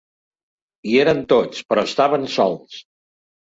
Hi eren tots, però estaven sols.